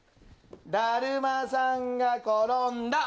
だるまさんが転んだ。